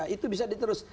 itu bisa diterus